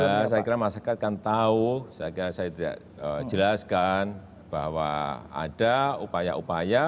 ya saya kira masyarakat kan tahu saya kira saya tidak jelaskan bahwa ada upaya upaya